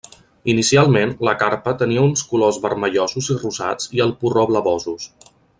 Inicialment la carpa tenia uns colors vermellosos i rosats i el porró blavosos.